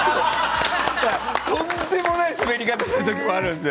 とんでもない滑り方するときあるんですよ。